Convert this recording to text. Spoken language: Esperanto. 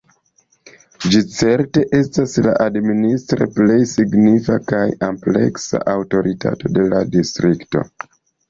Ĝi certe estas la administre plej signifa kaj ampleksa aŭtoritato de la distrikto.